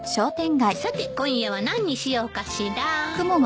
さて今夜は何にしようかしら。